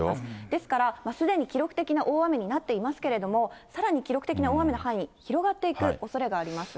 ですから、すでに記録的な大雨になっていますけれども、さらに記録的な大雨の範囲、広がっていくおそれがあります。